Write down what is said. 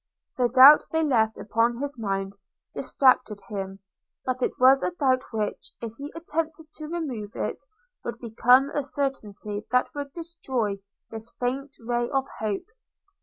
The doubt they left upon his mind distracted him; but it was a doubt which, if he attempted to remove it, would become a certainty that would destroy this faint ray of hope.